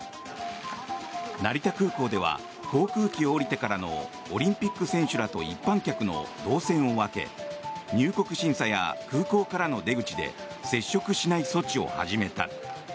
成田空港では航空機を降りてからのオリンピック選手らと一般客の動線を分け入国審査や空港からの出口で接触しない措置を始めた。